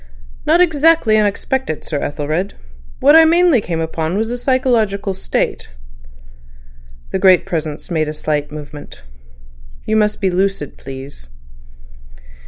"Not exactly unexpected, Sir Ethelred. What I mainly came upon was a psychological state." The Great Presence made a slight movement. "You must be lucid, please."